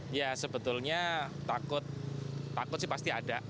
ya sebetulnya takut sih pasti ada